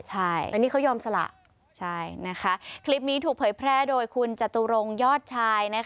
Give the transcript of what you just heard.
ใช่ใช่นะคะคลิปนี้ถูกเผยแพร่โดยคุณจตุรงค์ยอดชาย